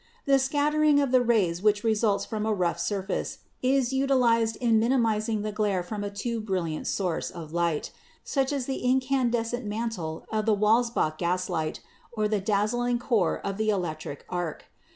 The scatter ing of the rays which results from a rough surface is utilized in minimizing the glare from a too brilliant source of light, such as the incandescent mantle of the Welsbach gaslight or the dazzling core of the electric arc.